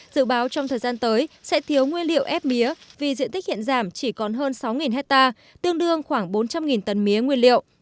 dự báo trong thời gian tới sẽ thiếu nguyên liệu ép mía vì diện tích hiện giảm chỉ còn hơn sáu hectare tương đương khoảng bốn trăm linh tấn mía nguyên liệu